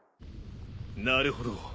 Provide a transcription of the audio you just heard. なるほど。